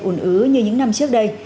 ùn ứ như những năm trước đây